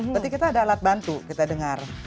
berarti kita ada alat bantu kita dengar